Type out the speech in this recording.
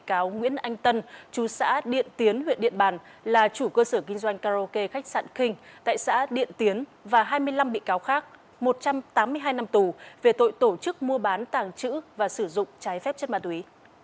bị cáo nguyễn anh tân chú xã điện tiến huyện điện bàn là chủ cơ sở kinh doanh karaoke khách sạn kinh tại xã điện tiến và hai mươi năm bị cáo khác một trăm tám mươi hai năm tù về tội tổ chức mua bán tàng trữ và sử dụng trái phép chất ma túy